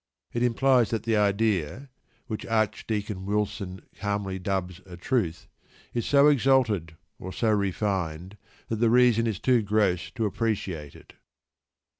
It implies that the idea (which Archdeacon Wilson calmly dubs a "truth") is so exalted, or so refined, that the reason is too gross to appreciate it.